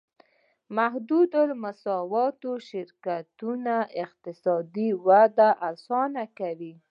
محدودالمسوولیت شرکتونه اقتصادي وده اسانه کوي.